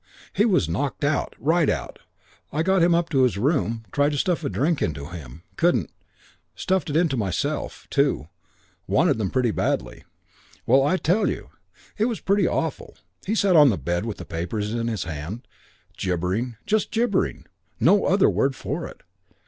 He was knocked out. Right out. I got him up to his room. Tried to stuff a drink into him. Couldn't. Stuffed it into myself. Two. Wanted them pretty badly. "Well I tell you. It was pretty awful. He sat on the bed with the papers in his hand, gibbering. Just gibbering. No other word for it.